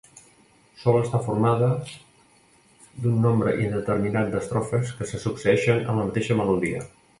Sol estar formada d'un nombre indeterminat d'estrofes que se succeeixen amb la mateixa melodia.